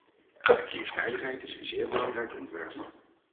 Verkeersveiligheid is een zeer belangrijk onderwerp.